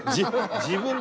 自分で。